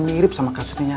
kamu harus kepadanya